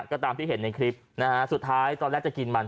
ก็ตามที่เห็นในคลิปนะฮะสุดท้ายตอนแรกจะกินมัน